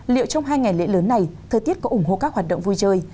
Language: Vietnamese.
liệu trong hai ngày lễ lớn này thời tiết có ủng hộ các hoạt động vui chơi